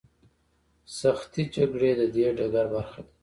سختې شخړې د دې ډګر برخه دي.